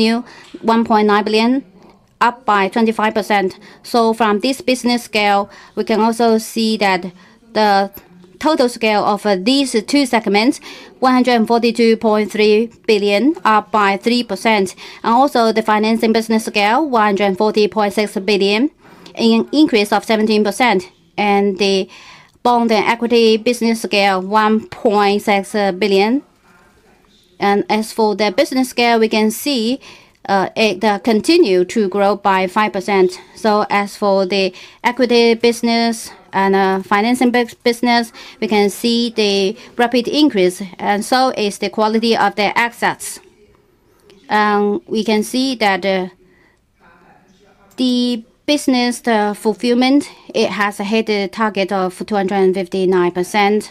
Net, 1.9 billion, up by 25%. From this business scale, we can also see that the total scale of these two segments, 142.3 billion, up by 3%. Also, the financing business scale, 140.6 billion, an increase of 17%. The bond and equity business scale, RMB 1.6 billion. As for the business scale, we can see it continued to grow by 5%. As for the equity business and financing business, we can see the rapid increase, and so is the quality of the assets. We can see that the business fulfillment, it has hit the target of 259%. Also, check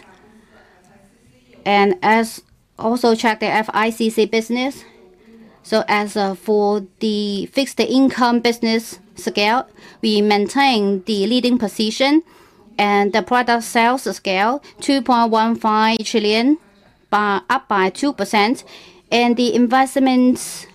the FICC business. As for the fixed income business scale, we maintain the leading position. The product sales scale, 2.15 trillion, up by 2%. The investment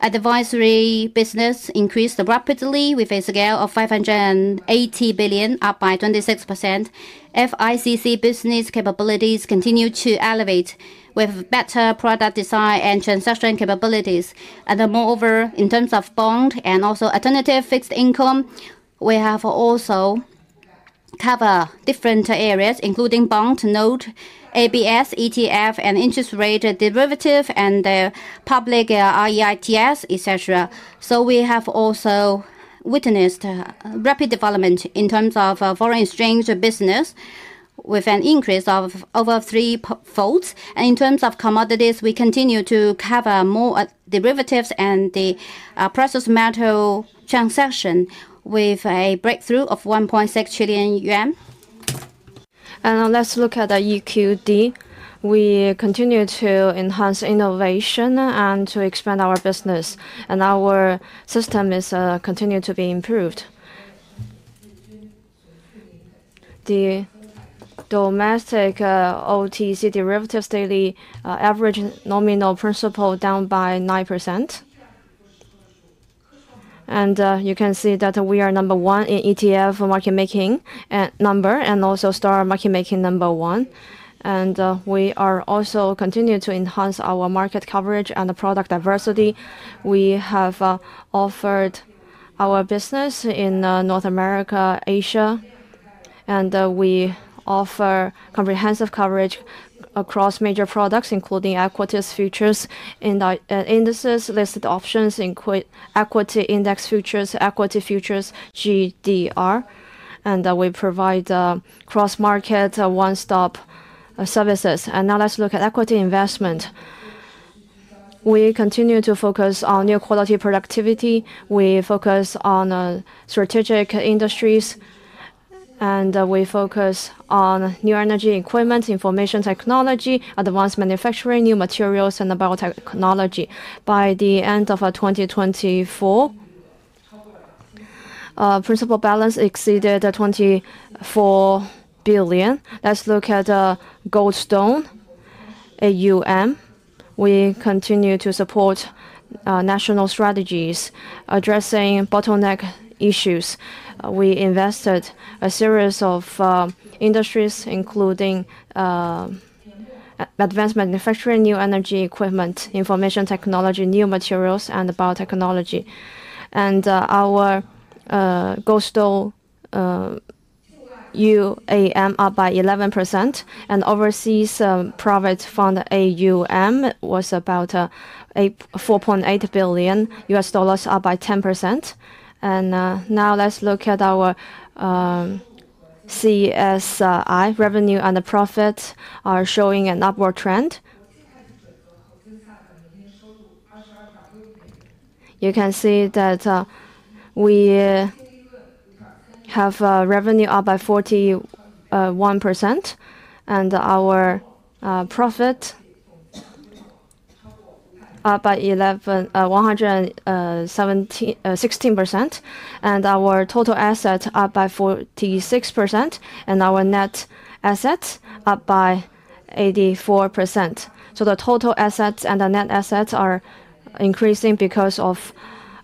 advisory business increased rapidly with a scale of 580 billion, up by 26%. FICC business capabilities continue to elevate with better product design and transaction capabilities. Moreover, in terms of bond and also alternative fixed income, we have also covered different areas, including bond, note, ABS, ETF, and interest rate derivative, and the public REITs, etc. We have also witnessed rapid development in terms of foreign exchange business with an increase of over three-fold. In terms of commodities, we continue to cover more derivatives and the precious metal transaction with a breakthrough of 1.6 trillion yuan. Let's look at the EQD. We continue to enhance innovation and to expand our business. Our system is continuing to be improved. The domestic OTC derivatives daily average nominal principal down by 9%. You can see that we are number one in ETF market making number and also STAR Market making number one. We are also continuing to enhance our market coverage and product diversity. We have offered our business in North America, Asia, and we offer comprehensive coverage across major products, including equities, futures, and indices listed options, equity index futures, equity futures, GDR. We provide cross-market one-stop services. Now let's look at equity investment. We continue to focus on new quality productivity. We focus on strategic industries, and we focus on new energy equipment, information technology, advanced manufacturing, new materials, and biotechnology. By the end of 2024, principal balance exceeded 24 billion. Let's look at GoldStone AUM. We continue to support national strategies, addressing bottleneck issues. We invested a series of industries, including advanced manufacturing, new energy equipment, information technology, new materials, and biotechnology. Our GoldStone AUM up by 11% and overseas private fund AUM was about $4.8 billion, up by 10%. Now let's look at our CSI revenue and profit are showing an upward trend. You can see that we have revenue up by 41%, and our profit up by 116%, and our total asset up by 46%, and our net asset up by 84%. The total assets and the net assets are increasing because of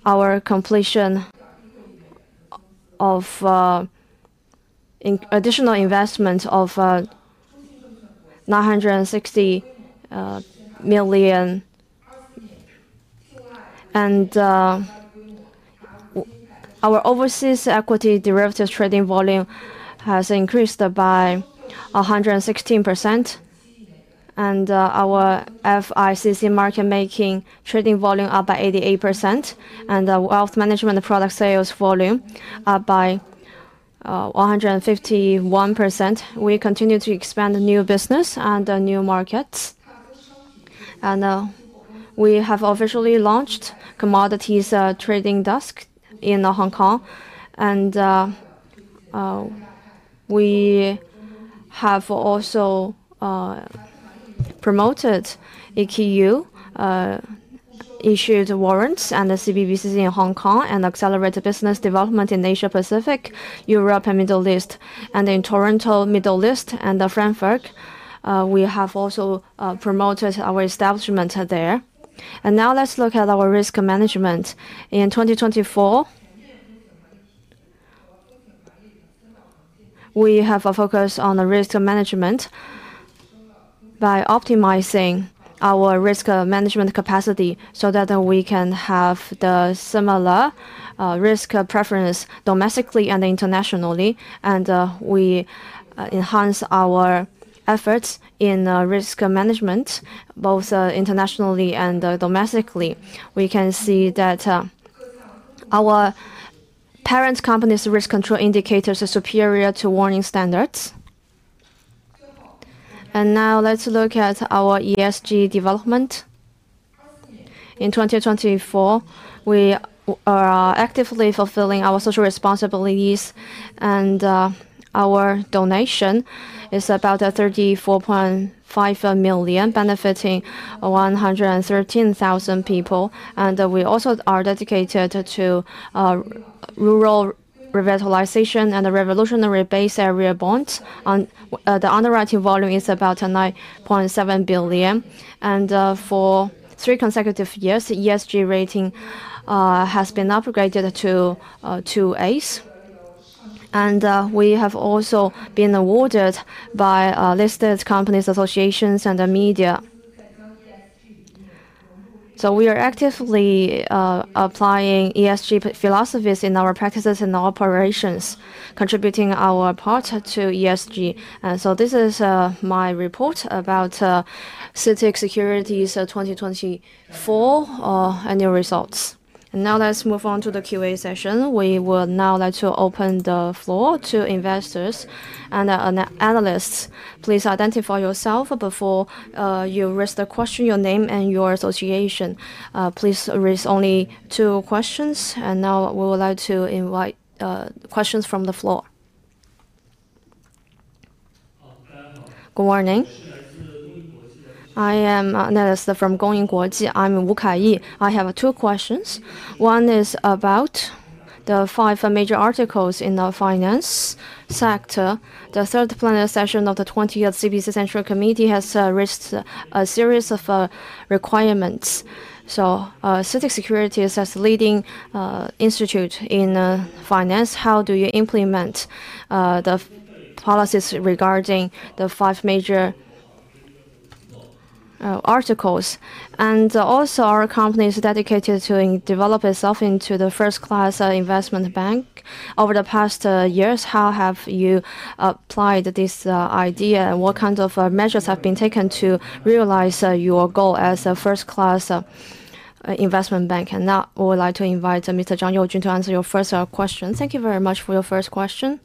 our completion of additional investment of 960 million. Our overseas equity derivatives trading volume has increased by 116%. Our FICC market making trading volume up by 88%, and wealth management product sales volume up by 151%. We continue to expand new business and new markets. We have officially launched commodities trading desk in Hong Kong. We have also promoted EQD issued warrants and CBBCs in Hong Kong and accelerated business development in Asia Pacific, Europe, and Middle East. In Toronto, Middle East, and Frankfurt, we have also promoted our establishment there. Now let's look at our risk management. In 2024, we have focused on risk management by optimizing our risk management capacity so that we can have the similar risk preference domestically and internationally. We enhance our efforts in risk management, both internationally and domestically. We can see that our parent company's risk control indicators are superior to warning standards. Now let's look at our ESG development. In 2024, we are actively fulfilling our social responsibilities, and our donation is about 34.5 million, benefiting 113,000 people. We also are dedicated to rural revitalization and the Revolutionary Base Area bonds. The underwriting volume is about 9.7 billion. For three consecutive years, ESG rating has been upgraded to AA. We have also been awarded by listed companies, associations, and the media. We are actively applying ESG philosophies in our practices and operations, contributing our part to ESG. This is my report about CITIC Securities 2024 annual results. Now let's move on to the Q&A session. We would now like to open the floor to investors and analysts. Please identify yourself before you raise the question, your name, and your association. Please raise only two questions. Now we would like to invite questions from the floor. Good morning. I am Nelson from Guojin International. I'm Wu Kai. I have two questions. One is about the Five Major Articles in the finance sector. The third plenary session of the 20th CPC Central Committee has raised a series of requirements. CITIC Securities as a leading institute in finance, how do you implement the policies regarding the Five Major Articles? Also, our company is dedicated to develop itself into the first-class investment bank. Over the past years, how have you applied this idea, and what kind of measures have been taken to realize your goal as a first-class investment bank? Now we would like to invite Mr. Zhang Youjun to answer your first question. Thank you very much for your first question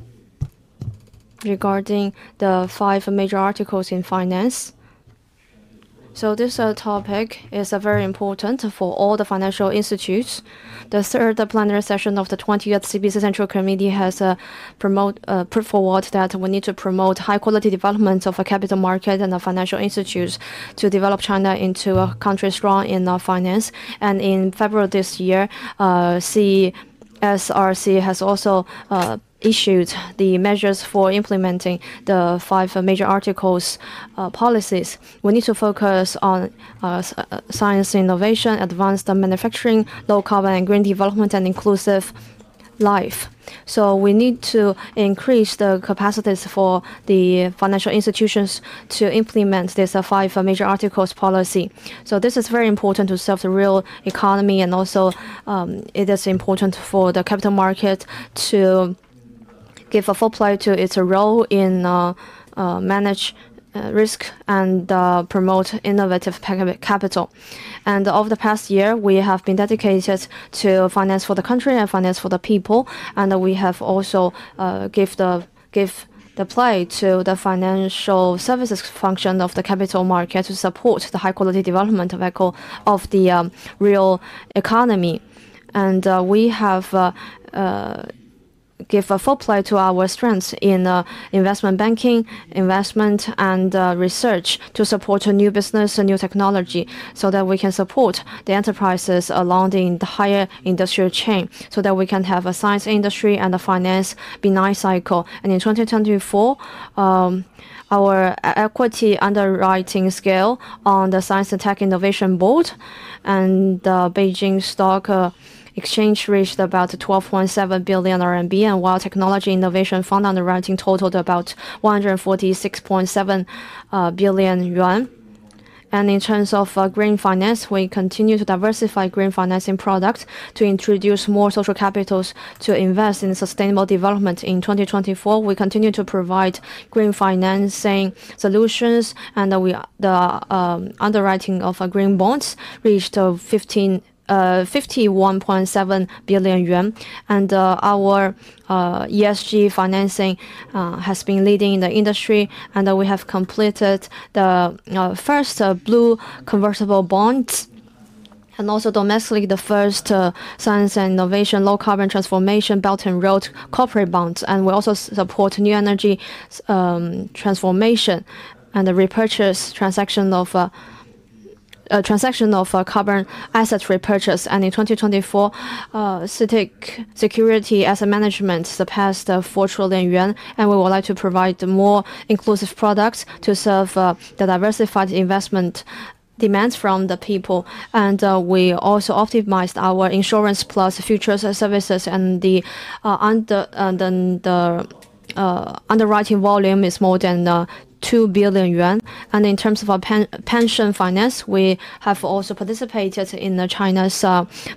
regarding the five major articles in finance. This topic is very important for all the financial institutes. The third plenary session of the 20th CPC Central Committee has put forward that we need to promote high-quality development of a capital market and a financial institute to develop China into a country strong in finance. In February this year, CSRC has also issued the measures for implementing the five major articles policies. We need to focus on science, innovation, advanced manufacturing, low carbon, and green development, and inclusive life. We need to increase the capacities for the financial institutions to implement these five major articles policy. This is very important to serve the real economy, and also it is important for the capital market to give a full play to its role in managing risk and promoting innovative capital. Over the past year, we have been dedicated to finance for the country and finance for the people. We have also given play to the financial services function of the capital market to support the high-quality development of the real economy. We have given full play to our strengths in investment banking, investment, and research to support new business and new technology so that we can support the enterprises along the entire industrial chain so that we can have a science industry and a finance benign cycle. In 2024, our equity underwriting scale on the Science and Tech Innovation Board and Beijing Stock Exchange reached about 12.7 billion RMB, while Technology Innovation Fund underwriting totaled about 146.7 billion yuan. In terms of green finance, we continue to diversify green financing products to introduce more social capitals to invest in sustainable development. In 2024, we continue to provide green financing solutions, and the underwriting of green bonds reached RMB 51.7 billion. Our ESG financing has been leading in the industry, and we have completed the first blue convertible bonds, and also domestically the first science and innovation low carbon transformation Belt and Road Corporate Bonds. We also support new energy transformation and the repurchase transaction of carbon assets repurchase. In 2024, CITIC Securities Asset Management passed 4 trillion yuan, and we would like to provide more inclusive products to serve the diversified investment demands from the people. We also optimized our Insurance+Futures services, and the underwriting volume is more than 2 billion yuan. In terms of our pension finance, we have also participated in China's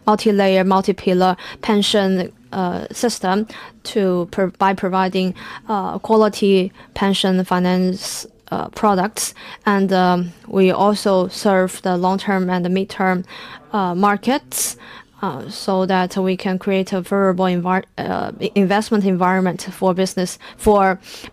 multi-layer multi-pillar pension system by providing quality pension finance products. We also serve the long-term and the mid-term markets so that we can create a favorable investment environment for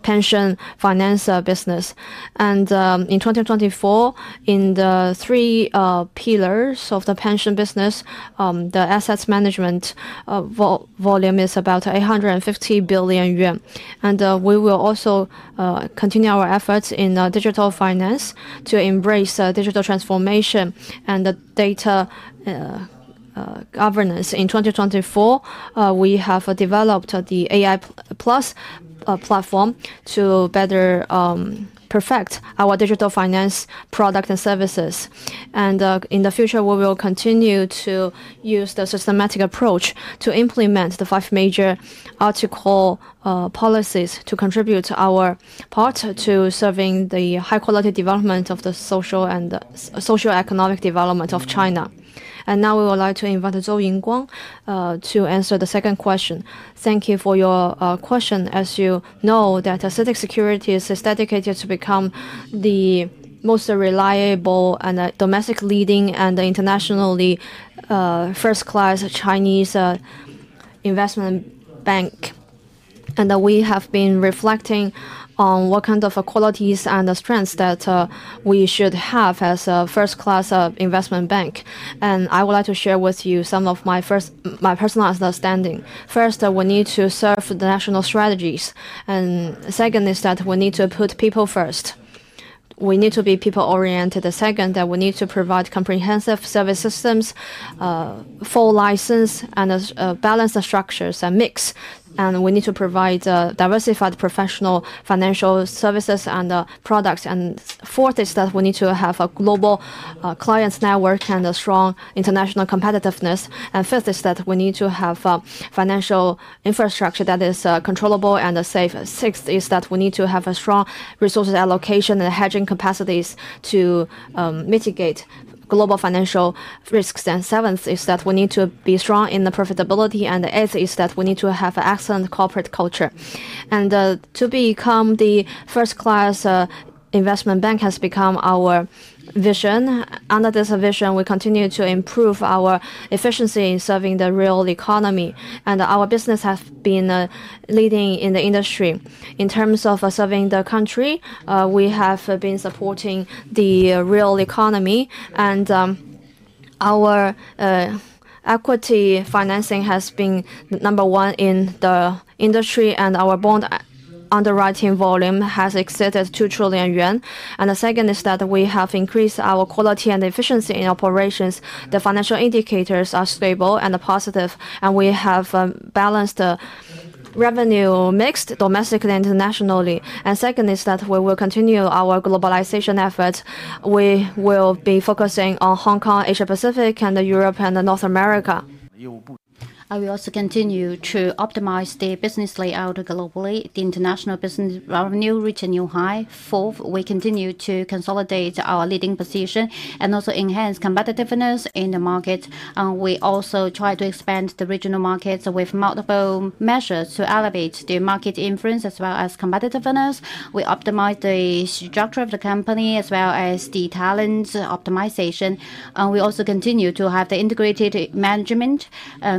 pension finance business. In 2024, in the three pillars of the pension business, the assets management volume is about 850 billion yuan. We will also continue our efforts in digital finance to embrace digital transformation and data governance. In 2024, we have developed the AI+ platform to better perfect our digital finance product and services. In the future, we will continue to use the systematic approach to implement the five major article policies to contribute our part to serving the high-quality development of the social and socioeconomic development of China. We would like to invite Zou Yingguang to answer the second question. Thank you for your question. As you know, CITIC Securities is dedicated to become the most reliable and domestically leading and internationally first-class Chinese investment bank. We have been reflecting on what kind of qualities and strengths that we should have as a first-class investment bank. I would like to share with you some of my personal understanding. First, we need to serve the national strategies. Second is that we need to put people first. We need to be people-oriented. The second, that we need to provide comprehensive service systems, full license, and balanced structures, a mix. We need to provide diversified professional financial services and products. Fourth is that we need to have a global clients network and a strong international competitiveness. Fifth is that we need to have financial infrastructure that is controllable and safe. Sixth is that we need to have a strong resource allocation and hedging capacities to mitigate global financial risks. Seventh is that we need to be strong in the profitability. The eighth is that we need to have an excellent corporate culture. To become the first-class investment bank has become our vision. Under this vision, we continue to improve our efficiency in serving the real economy. Our business has been leading in the industry. In terms of serving the country, we have been supporting the real economy. Our equity financing has been number one in the industry, and our bond underwriting volume has exceeded 2 trillion yuan. The second is that we have increased our quality and efficiency in operations. The financial indicators are stable and positive, and we have balanced the revenue mix domestically and internationally. Second is that we will continue our globalization efforts. We will be focusing on Hong Kong, Asia Pacific, Europe, and North America. We also continue to optimize the business layout globally. The international business revenue reached a new high. Fourth, we continue to consolidate our leading position and also enhance competitiveness in the market. We also try to expand the regional markets with multiple measures to elevate the market influence as well as competitiveness. We optimize the structure of the company as well as the talent optimization. We also continue to have the integrated management,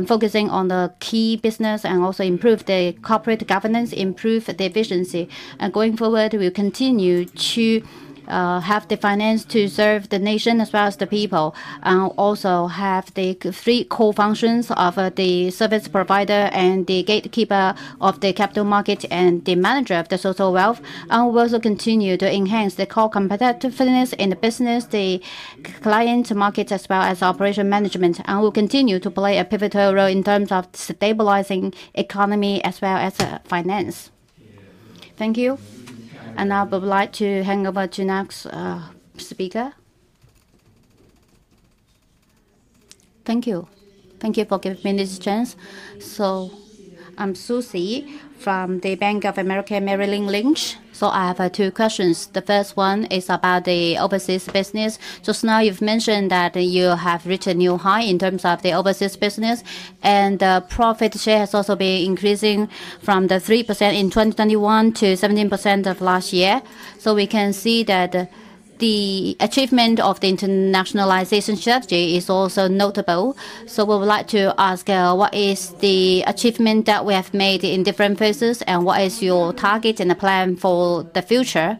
focusing on the key business and also improve the corporate governance, improve the efficiency. Going forward, we will continue to have the finance to serve the nation as well as the people. We also have the three core functions of the service provider and the gatekeeper of the capital market and the manager of the social wealth. We will also continue to enhance the core competitiveness in the business, the client market, as well as operation management. We will continue to play a pivotal role in terms of stabilizing the economy as well as finance. Thank you. I would like to hand over to the next speaker. Thank you. Thank you for giving me this chance. I am Susie from Bank of America Merrill Lynch. I have two questions. The first one is about the overseas business. Just now you mentioned that you have reached a new high in terms of the overseas business, and the profit share has also been increasing from 3% in 2021 to 17% last year. We can see that the achievement of the internationalization strategy is also notable. We would like to ask what is the achievement that we have made in different phases, and what is your target and plan for the future?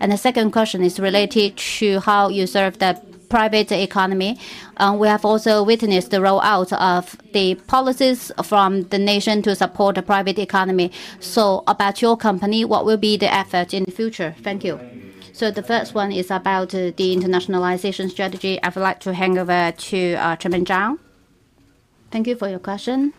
The second question is related to how you serve the private economy. We have also witnessed the rollout of the policies from the nation to support the private economy. About your company, what will be the effort in the future? Thank you. The first one is about the internationalization strategy. I would like to hand over to Chairman Zhang. Thank you for your question.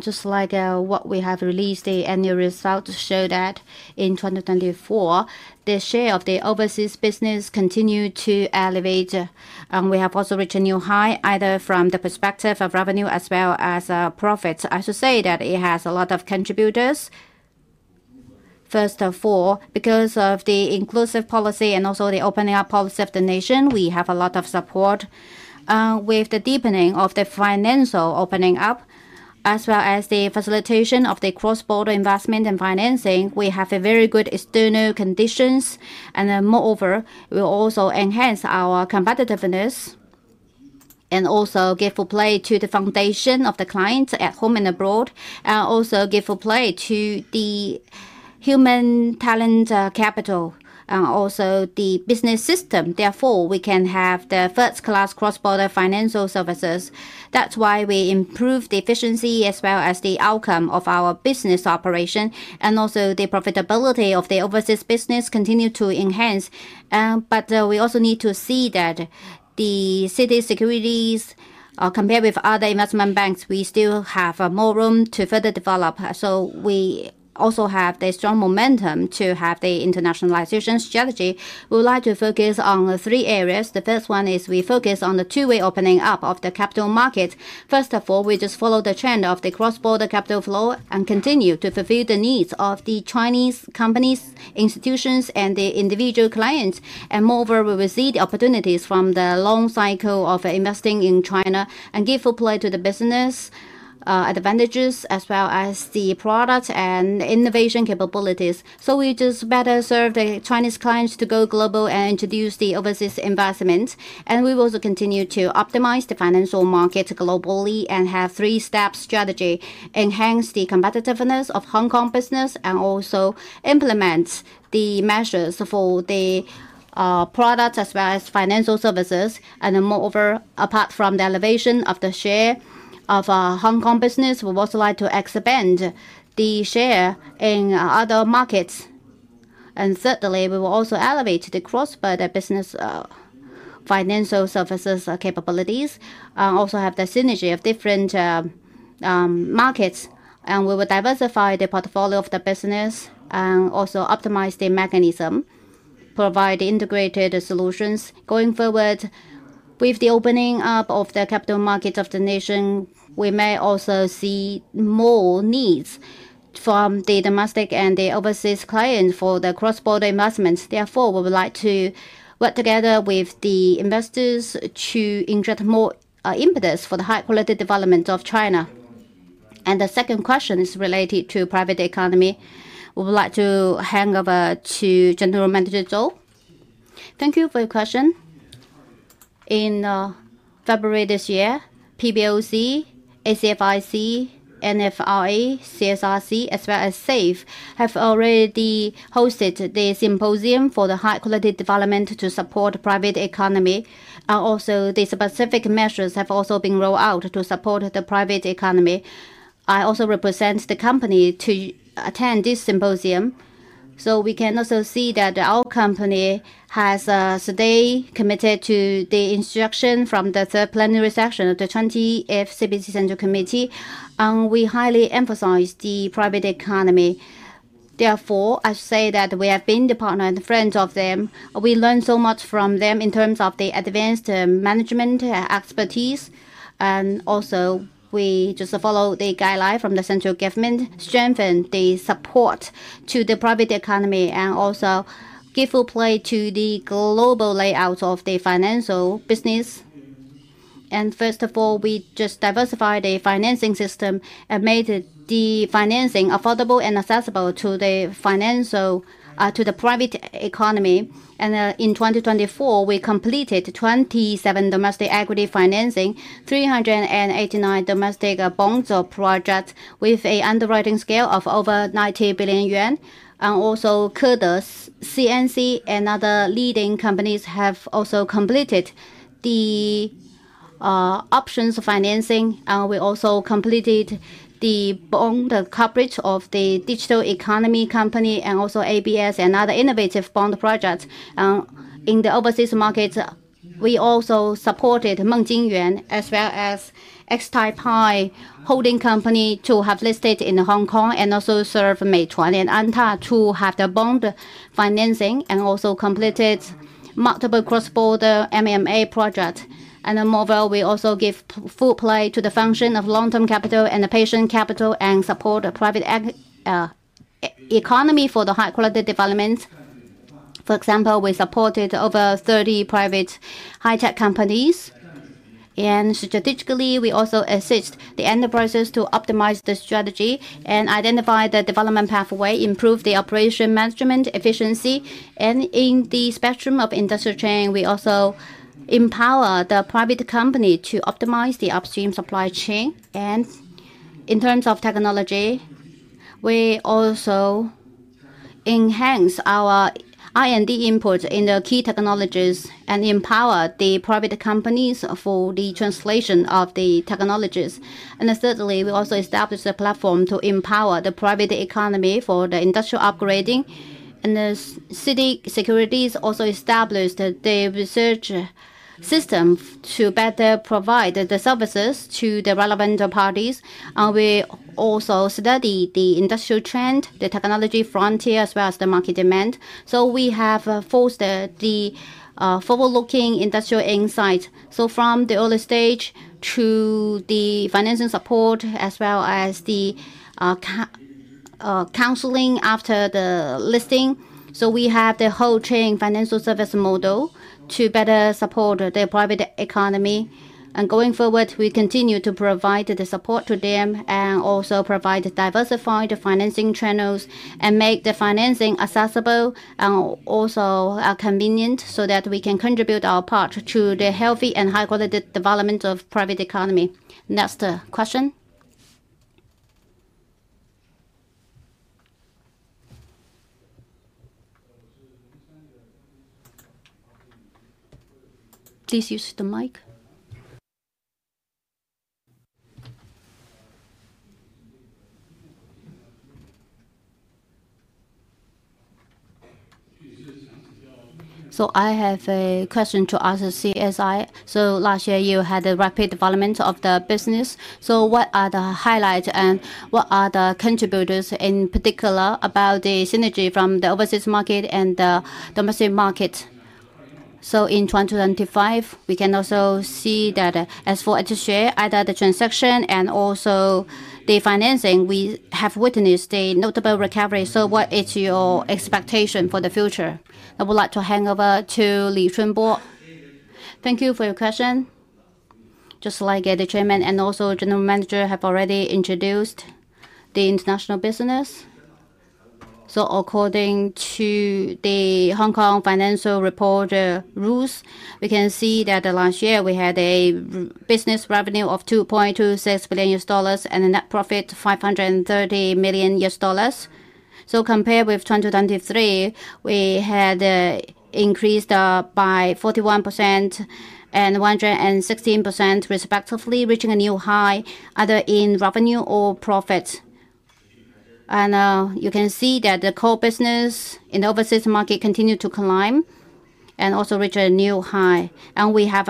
Just like what we have released, the annual results show that in 2024, the share of the overseas business continued to elevate. We have also reached a new high either from the perspective of revenue as well as profits. I should say that it has a lot of contributors. First of all, because of the inclusive policy and also the opening up policy of the nation, we have a lot of support. With the deepening of the financial opening up, as well as the facilitation of the cross-border investment and financing, we have very good external conditions. Moreover, we will also enhance our competitiveness and also give full play to the foundation of the clients at home and abroad, and also give full play to the human talent capital, and also the business system. Therefore, we can have the first-class cross-border financial services. That is why we improve the efficiency as well as the outcome of our business operation, and also the profitability of the overseas business continues to enhance. We also need to see that CITIC Securities, compared with other investment banks, still has more room to further develop. We also have the strong momentum to have the internationalization strategy. We would like to focus on three areas. The first one is we focus on the two-way opening up of the capital markets. First of all, we just follow the trend of the cross-border capital flow and continue to fulfill the needs of the Chinese companies, institutions, and the individual clients. Moreover, we will see the opportunities from the long cycle of investing in China and give full play to the business advantages as well as the product and innovation capabilities. We just better serve the Chinese clients to go global and introduce the overseas investment. We will also continue to optimize the financial markets globally and have a three-step strategy, enhance the competitiveness of Hong Kong business, and also implement the measures for the product as well as financial services. Moreover, apart from the elevation of the share of Hong Kong business, we would also like to expand the share in other markets. Thirdly, we will also elevate the cross-border business financial services capabilities and also have the synergy of different markets. We will diversify the portfolio of the business and also optimize the mechanism, provide integrated solutions. Going forward, with the opening up of the capital markets of the nation, we may also see more needs from the domestic and the overseas clients for the cross-border investments. Therefore, we would like to work together with the investors to inject more impetus for the high-quality development of China. The second question is related to the private economy. We would like to hand over to General Manager Zou. Thank you for your question. In February this year, PBOC, ACFIC, NFRA, CSRC, as well as SAFE, have already hosted the symposium for the high-quality development to support the private economy. The specific measures have also been rolled out to support the private economy. I also represent the company to attend this symposium. We can also see that our company has stayed committed to the instruction from the third plenary session of the 20th CPC Central Committee. We highly emphasize the private economy. Therefore, I should say that we have been the partner and friends of them. We learned so much from them in terms of the advanced management expertise. We just follow the guidelines from the central government, strengthen the support to the private economy, and also give full play to the global layout of the financial business. First of all, we just diversified the financing system and made the financing affordable and accessible to the private economy. In 2024, we completed 27 domestic equity financing, 389 domestic bonds projects with an underwriting scale of over 90 billion yuan. Kutesmart, CNC, and other leading companies have also completed the options financing. We also completed the bond coverage of the digital economy company and also ABS and other innovative bond projects. In the overseas markets, we also supported Mengjinyuan as well as XtalPi Holding Company to have listed in Hong Kong and also serve Meituan and ANTA to have the bond financing and also completed multiple cross-border M&A projects. Moreover, we also give full play to the function of long-term capital and patient capital and support the private economy for the high-quality development. For example, we supported over 30 private high-tech companies. Strategically, we also assist the enterprises to optimize the strategy and identify the development pathway, improve the operation management efficiency. In the spectrum of industry chain, we also empower the private company to optimize the upstream supply chain. In terms of technology, we also enhance our R&D input in the key technologies and empower the private companies for the translation of the technologies. Thirdly, we also established a platform to empower the private economy for the industrial upgrading. CITIC Securities also established the research system to better provide the services to the relevant parties. We also study the industrial trend, the technology frontier, as well as the market demand. We have forced the forward-looking industrial insights, from the early stage to the financing support, as well as the counseling after the listing. We have the whole chain financial service model to better support the private economy. Going forward, we continue to provide the support to them and also provide diversified financing channels and make the financing accessible and also convenient so that we can contribute our part to the healthy and high-quality development of the private economy. Next question. Please use the mic. I have a question to ask. CSI. Last year, you had a rapid development of the business. What are the highlights and what are the contributors in particular about the synergy from the overseas market and the domestic market? In 2025, we can also see that as far as the share, either the transaction and also the financing, we have witnessed a notable recovery. What is your expectation for the future? I would like to hand over to Li Chunbo. Thank you for your question. Just like the Chairman and also General Manager have already introduced the international business. According to the Hong Kong Financial Report rules, we can see that last year we had a business revenue of $2.26 billion and a net profit of $530 million. Compared with 2023, we had increased by 41% and 116% respectively, reaching a new high either in revenue or profits. You can see that the core business in the overseas market continued to climb and also reached a new high. We have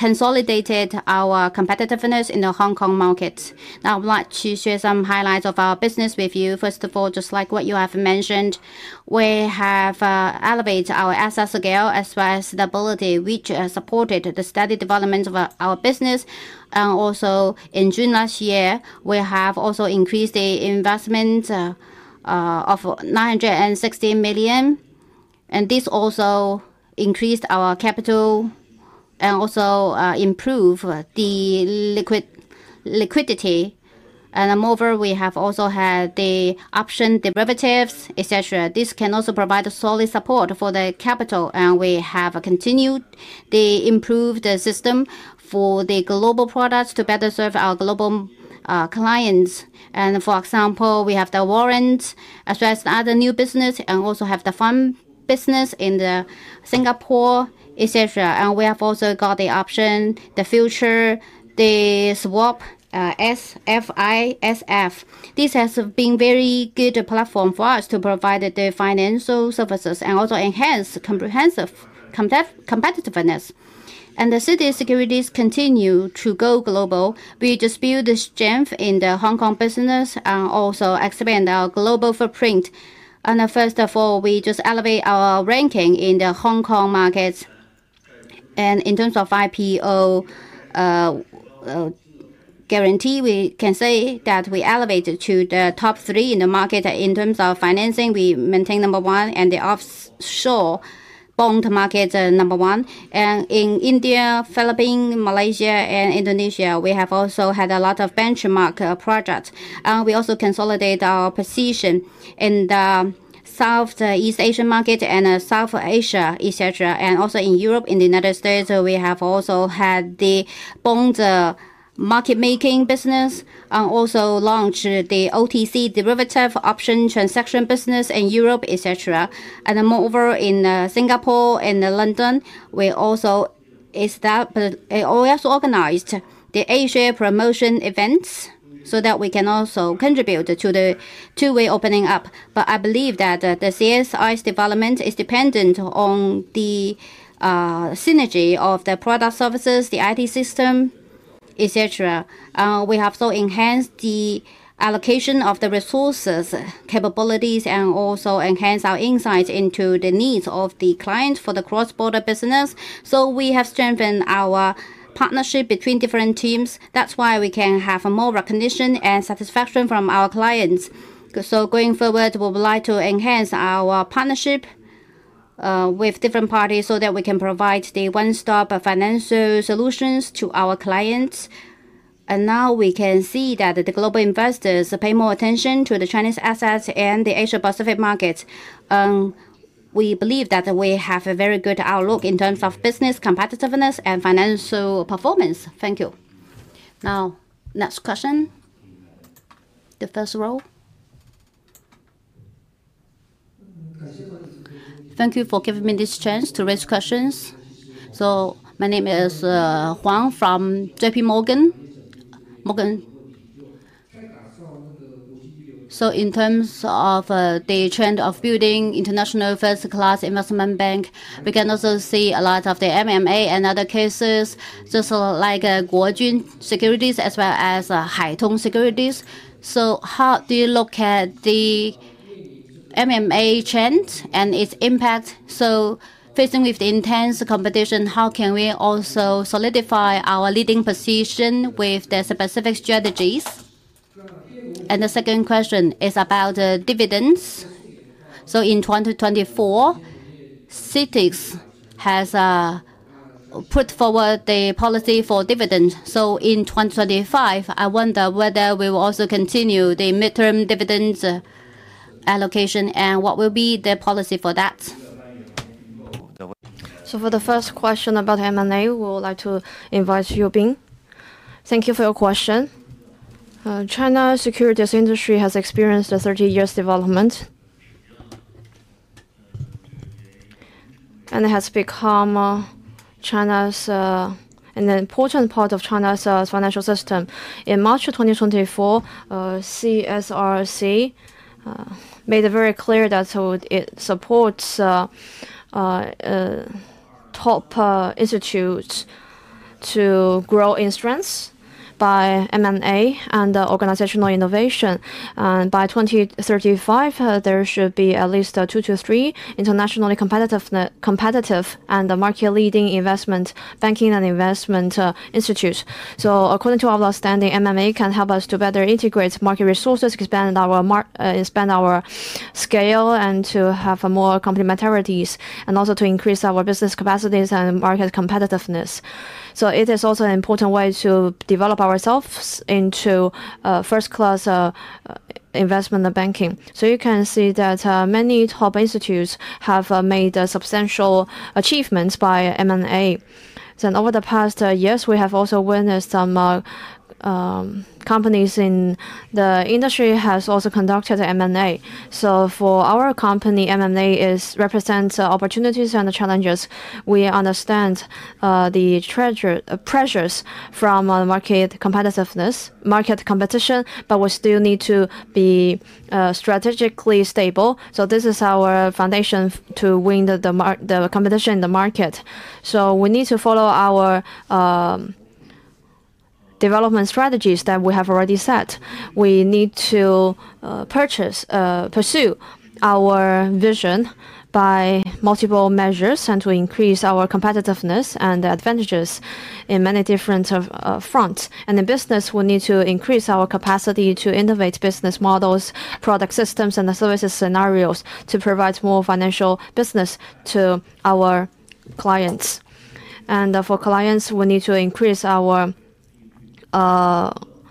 consolidated our competitiveness in the Hong Kong market. Now I would like to share some highlights of our business with you. First of all, just like what you have mentioned, we have elevated our asset scale as well as the ability which supported the steady development of our business. In June last year, we have also increased the investment of 960 million. This also increased our capital and improved the liquidity. Moreover, we have also had the option derivatives, etc. This can also provide solid support for the capital. We have continued the improved system for the global products to better serve our global clients. For example, we have the warrant as well as the other new business and also have the fund business in Singapore, etc. We have also got the option, the future, the swap, SFISF. This has been a very good platform for us to provide the financial services and also enhance comprehensive competitiveness. CITIC Securities continue to go global. We just built the strength in the Hong Kong business and also expand our global footprint. First of all, we just elevate our ranking in the Hong Kong markets. In terms of IPO guarantee, we can say that we elevate to the top three in the market. In terms of financing, we maintain number one and the offshore bond market number one. In India, Philippines, Malaysia, and Indonesia, we have also had a lot of benchmark projects. We also consolidate our position in the Southeast Asian market and South Asia, etc. Also in Europe, in the United States, we have also had the bond market-making business and also launched the OTC derivative option transaction business in Europe, etc. Moreover, in Singapore and London, we also established the Asia Promotion Events so that we can also contribute to the two-way opening up. I believe that the CSI's development is dependent on the synergy of the product services, the IT system, etc. We have enhanced the allocation of the resources, capabilities, and also enhanced our insights into the needs of the clients for the cross-border business. We have strengthened our partnership between different teams. That is why we can have more recognition and satisfaction from our clients. Going forward, we would like to enhance our partnership with different parties so that we can provide the one-stop financial solutions to our clients. Now we can see that the global investors pay more attention to the Chinese assets and the Asia-Pacific markets. We believe that we have a very good outlook in terms of business competitiveness and financial performance. Thank you. Now, next question. The first row. Thank you for giving me this chance to raise questions. My name is Huang from JP Morgan. In terms of the trend of building international first-class investment bank, we can also see a lot of the M&A and other cases, just like Guotai Junan Securities as well as Haitong Securities. How do you look at the M&A trend and its impact? Facing with the intense competition, how can we also solidify our leading position with the specific strategies? The second question is about dividends. In 2024, CITIC has put forward the policy for dividends. In 2025, I wonder whether we will also continue the midterm dividends allocation and what will be the policy for that? For the first question about M&A, we would like to invite Yubing. Thank you for your question. China's securities industry has experienced a 30-year development and has become an important part of China's financial system. In March 2024, CSRC made it very clear that it supports top institutes to grow in strength by M&A and organizational innovation. By 2035, there should be at least two to three internationally competitive and market-leading investment banking and investment institutes. According to our standing, M&A can help us to better integrate market resources, expand our scale, and to have more complementarities, and also to increase our business capacities and market competitiveness. It is also an important way to develop ourselves into first-class investment banking. You can see that many top institutes have made substantial achievements by M&A. Over the past years, we have also witnessed some companies in the industry have also conducted M&A. For our company, M&A represents opportunities and challenges. We understand the pressures from market competition, but we still need to be strategically stable. This is our foundation to win the competition in the market. We need to follow our development strategies that we have already set. We need to pursue our vision by multiple measures and to increase our competitiveness and advantages in many different fronts. In business, we need to increase our capacity to innovate business models, product systems, and the services scenarios to provide more financial business to our clients. For clients, we need to increase our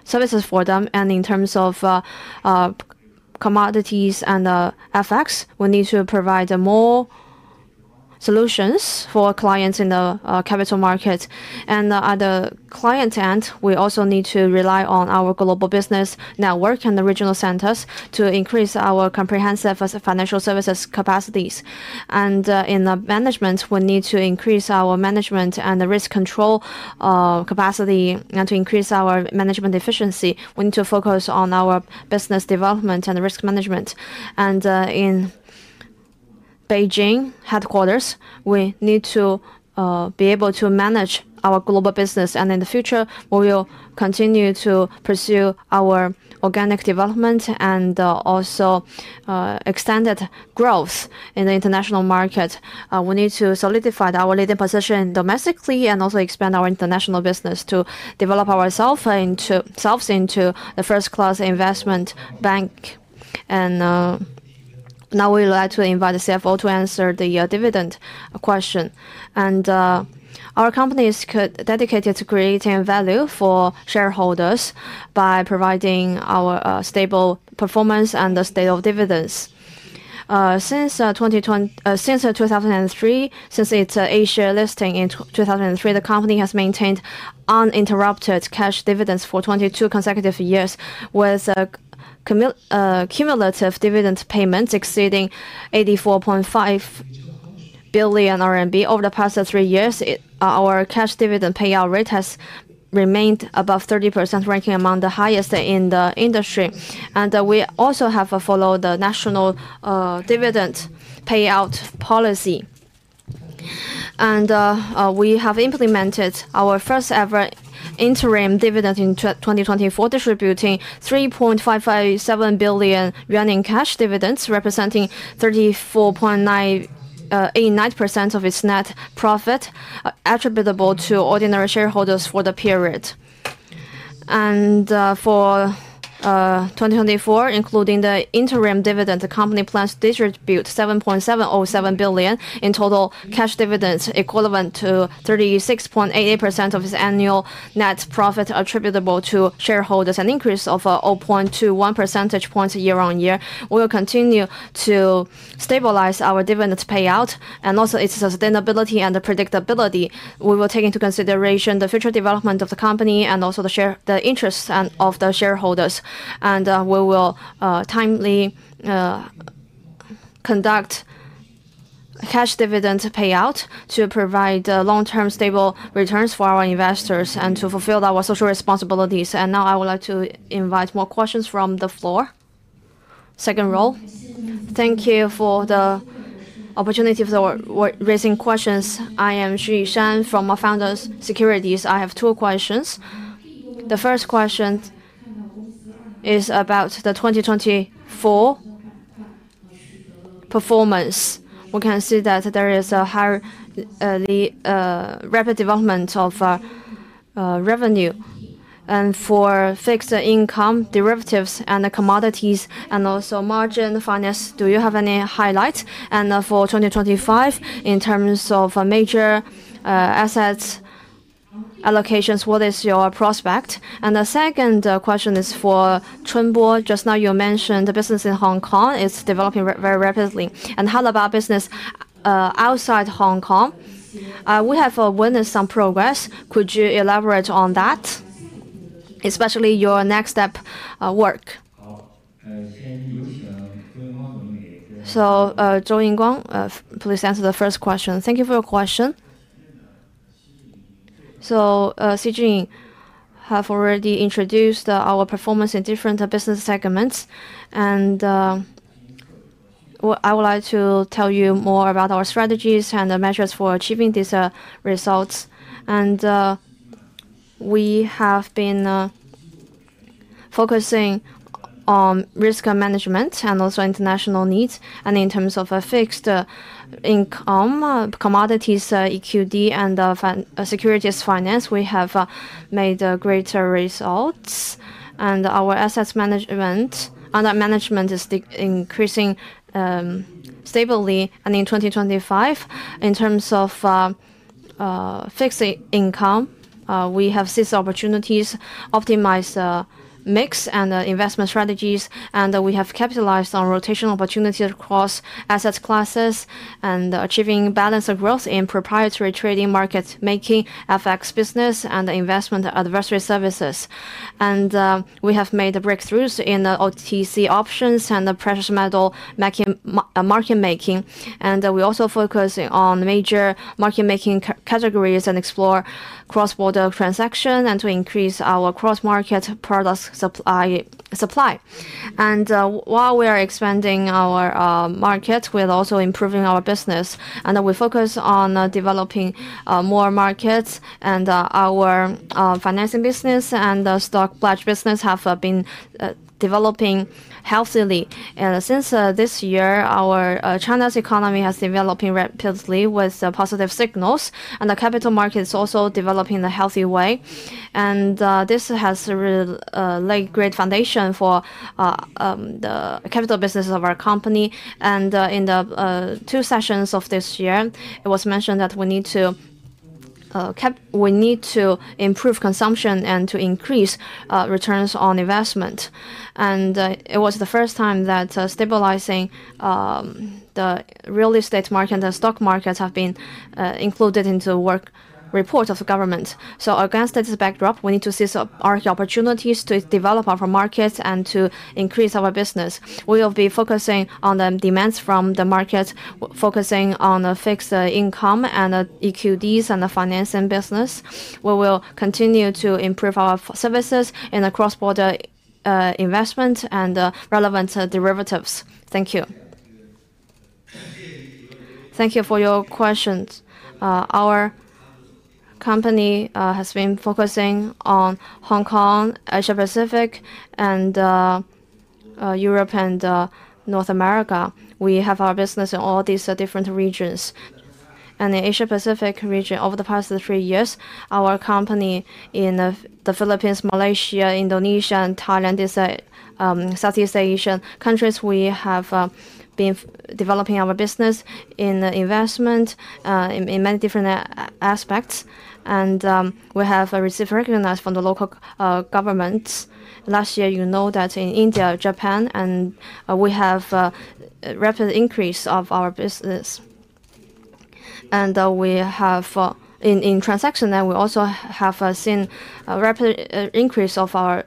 services for them. In terms of commodities and effects, we need to provide more solutions for clients in the capital market. On the client end, we also need to rely on our global business network and regional centers to increase our comprehensive financial services capacities. In management, we need to increase our management and risk control capacity and to increase our management efficiency. We need to focus on our business development and risk management. In Beijing headquarters, we need to be able to manage our global business. In the future, we will continue to pursue our organic development and also extended growth in the international market. We need to solidify our leading position domestically and also expand our international business to develop ourselves into a first-class investment bank. Now we would like to invite CFO to answer the dividend question. Our company is dedicated to creating value for shareholders by providing our stable performance and the state of dividends. Since 2003, since its Asia listing in 2003, the company has maintained uninterrupted cash dividends for 22 consecutive years with cumulative dividend payments exceeding 84.5 billion RMB. Over the past three years, our cash dividend payout rate has remained above 30%, ranking among the highest in the industry. We also have followed the national dividend payout policy. We have implemented our first-ever interim dividend in 2024, distributing 3.57 billion yuan in cash dividends, representing 34.89% of its net profit attributable to ordinary shareholders for the period. For 2024, including the interim dividend, the company plans to distribute 7.707 billion in total cash dividends, equivalent to 36.88% of its annual net profit attributable to shareholders, an increase of 0.21 percentage points year on year. We will continue to stabilize our dividend payout and also its sustainability and predictability. We will take into consideration the future development of the company and also the interests of the shareholders. We will timely conduct cash dividend payout to provide long-term stable returns for our investors and to fulfill our social responsibilities. Now I would like to invite more questions from the floor. Second row. Thank you for the opportunity for raising questions. I am Xu Yishan from Founder Securities. I have two questions. The first question is about the 2024 performance. We can see that there is a rapid development of revenue. For fixed income derivatives and commodities and also margin finance, do you have any highlights? For 2025, in terms of major assets allocations, what is your prospect? The second question is for Chunbo. Just now you mentioned the business in Hong Kong is developing very rapidly. How about business outside Hong Kong? We have witnessed some progress. Could you elaborate on that, especially your next step work? Zou Yingguang, please answer the first question. Thank you for your question. Shi Benliang have already introduced our performance in different business segments. I would like to tell you more about our strategies and the measures for achieving these results. We have been focusing on risk management and also international needs. In terms of fixed income, commodities, EQD, and securities finance, we have made greater results. Our assets under management is increasing stably. In 2025, in terms of fixed income, we have seized opportunities, optimized mix and investment strategies. We have capitalized on rotational opportunities across asset classes and achieved balanced growth in proprietary trading, market-making, FX business, and investment advisory services. We have made breakthroughs in OTC options and precious metal market-making. We also focus on major market-making categories and explore cross-border transactions to increase our cross-market product supply. While we are expanding our market, we are also improving our business. We focus on developing more markets. Our financing business and stock pledge business have been developing healthily. Since this year, China's economy has developed rapidly with positive signals. The capital market is also developing in a healthy way. This has laid a great foundation for the capital business of our company. In the two sessions of this year, it was mentioned that we need to improve consumption and to increase returns on investment. It was the first time that stabilizing the real estate market and stock markets have been included into work reports of government. Against this backdrop, we need to seize our opportunities to develop our markets and to increase our business. We will be focusing on the demands from the market, focusing on fixed income and EQDs and the financing business. We will continue to improve our services in the cross-border investment and relevant derivatives. Thank you. Thank you for your questions. Our company has been focusing on Hong Kong, Asia Pacific, and Europe and North America. We have our business in all these different regions. In the Asia Pacific region, over the past three years, our company in the Philippines, Malaysia, Indonesia, and Thailand, Southeast Asian countries, we have been developing our business in investment in many different aspects. We have received recognition from the local governments. Last year, you know that in India, Japan, and we have a rapid increase of our business. In transaction, we also have seen a rapid increase of our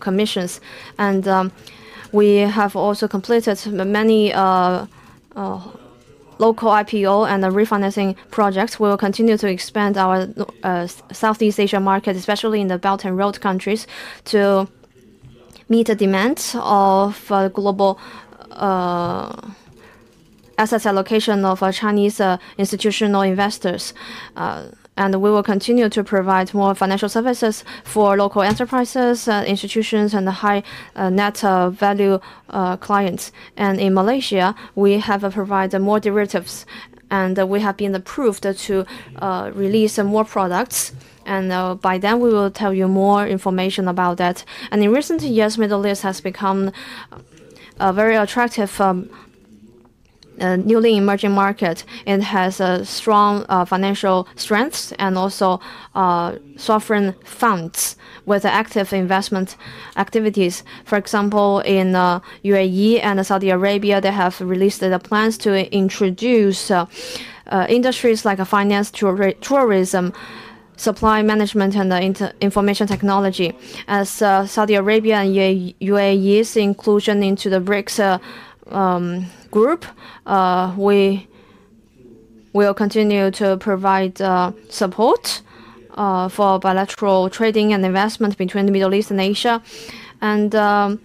commissions. We have also completed many local IPO and refinancing projects. We will continue to expand our Southeast Asian market, especially in the Belt and Road countries, to meet the demands of global asset allocation of Chinese institutional investors. We will continue to provide more financial services for local enterprises, institutions, and high net value clients. In Malaysia, we have provided more derivatives. We have been approved to release more products. By then, we will tell you more information about that. In recent years, the Middle East has become a very attractive newly emerging market. It has strong financial strengths and also sovereign funds with active investment activities. For example, in UAE and Saudi Arabia, they have released plans to introduce industries like finance, tourism, supply management, and information technology. As Saudi Arabia and UAE's inclusion into the BRICS group, we will continue to provide support for bilateral trading and investment between the Middle East and Asia. The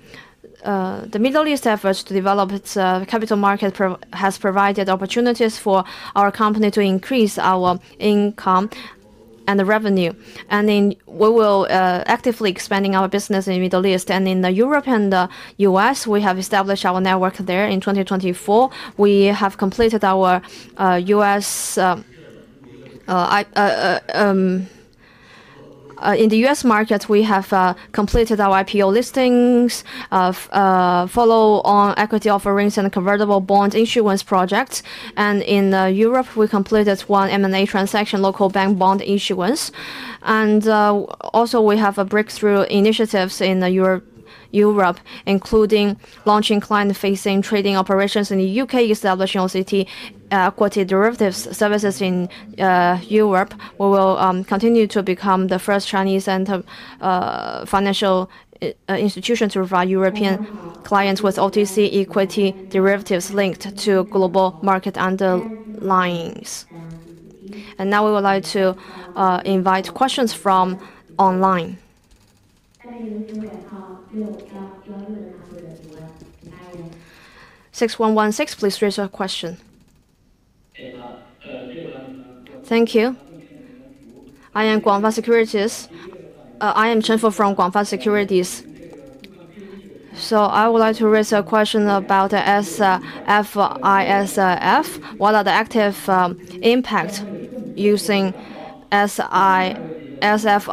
Middle East efforts to develop its capital market have provided opportunities for our company to increase our income and revenue. We will actively expand our business in the Middle East. In Europe and the U.S., we have established our network there in 2024. We have completed our U.S. in the U.S. market, we have completed our IPO listings, followed on equity offerings, and convertible bond insurance projects. In Europe, we completed one M&A transaction, local bank bond insurance. We have breakthrough initiatives in Europe, including launching client-facing trading operations in the U.K., establishing OTC equity derivatives services in Europe. We will continue to become the first Chinese financial institution to provide European clients with OTC equity derivatives linked to global market underlines. Now we would like to invite questions from online. 6116, please raise your question. Thank you. I am GF Securities. I am Chen Fu from GF Securities. I would like to raise a question about SFISF. What are the active impacts using SFISF?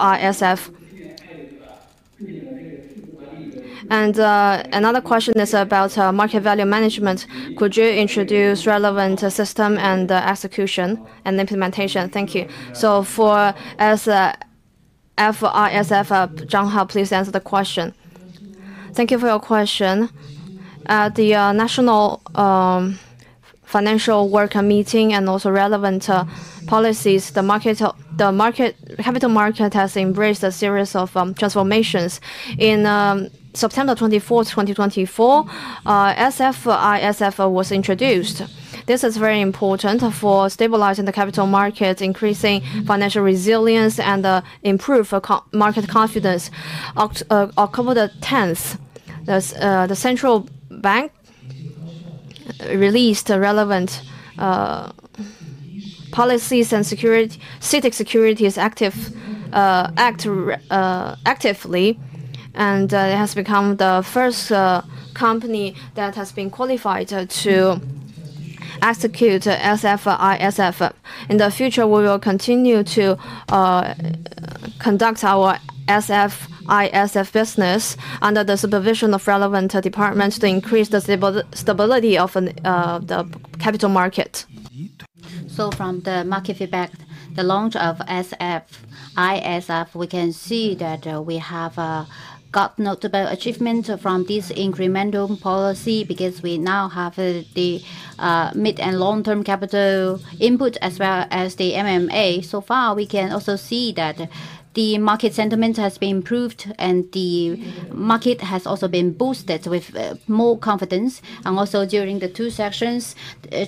Another question is about market value management. Could you introduce relevant system and execution and implementation? Thank you. For SFISF, Zhang Hao, please answer the question. Thank you for your question. At the National Financial Work Meeting and also relevant policies, the capital market has embraced a series of transformations. In September 24, 2024, SFISF was introduced. This is very important for stabilizing the capital market, increasing financial resilience, and improving market confidence. On October 10, the central bank released relevant policies and CITIC Securities acted actively. It has become the first company that has been qualified to execute SFISF. In the future, we will continue to conduct our SFISF business under the supervision of relevant departments to increase the stability of the capital market. From the market feedback, the launch of SFISF, we can see that we have gotten notable achievements from this incremental policy because we now have the mid and long-term capital input as well as the M&A. So far, we can also see that the market sentiment has been improved and the market has also been boosted with more confidence. Also, during the two sessions,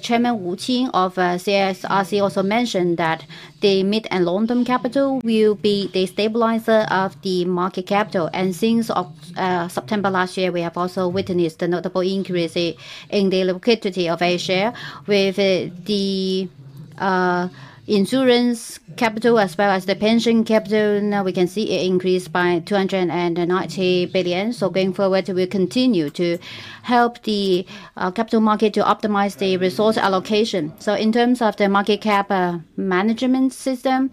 Chairman Wu Qing of CSRC mentioned that the mid and long-term capital will be the stabilizer of the market capital. Since September last year, we have also witnessed a notable increase in the liquidity of A-share with the insurance capital as well as the pension capital. We can see it increased by 290 billion. Going forward, we will continue to help the capital market to optimize the resource allocation. In terms of the market cap management system,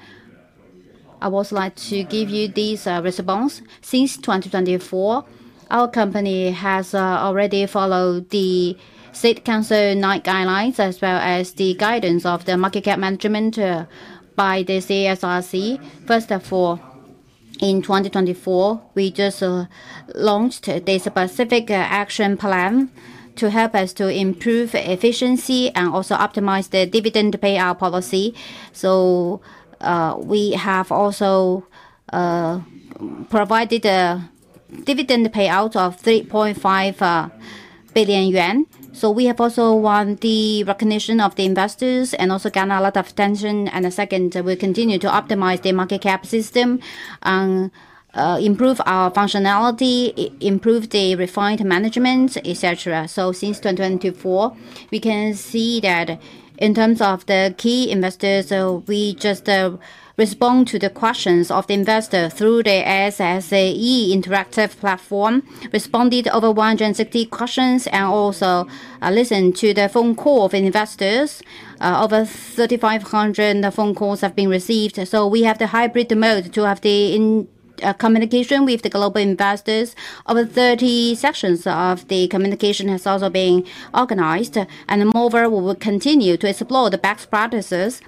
I would like to give you this response. Since 2024, our company has already followed the State Council guidelines as well as the guidance of the market cap management by the CSRC. First of all, in 2024, we just launched this specific action plan to help us to improve efficiency and also optimize the dividend payout policy. We have also provided a dividend payout of 3.5 billion yuan. We have also won the recognition of the investors and also gained a lot of attention. Second, we continue to optimize the market cap system and improve our functionality, improve the refined management, etc. Since 2024, we can see that in terms of the key investors, we just respond to the questions of the investors through the SSE interactive platform, responded to over 160 questions, and also listened to the phone calls of investors. Over 3,500 phone calls have been received. We have the hybrid mode to have the communication with the global investors. Over 30 sessions of the communication have also been organized. Moreover, we will continue to explore the best practices.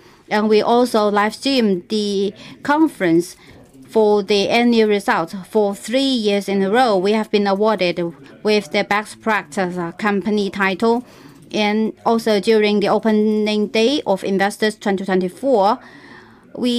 We also live stream the conference for the annual results. For three years in a row, we have been awarded with the best practice company title. Also during the opening day of Investors 2024, we.